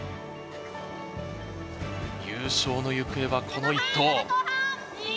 優勝の行方はこの一投。